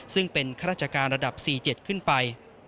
ซึ่งเป็นข้าราชการระดับ๔๗ขึ้นไป